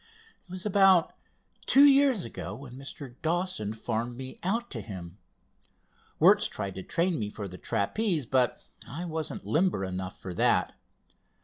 It was about two years ago when Mr. Dawson farmed me out to him. Wertz tried to train me for the trapeze, but I wasn't limber enough for that.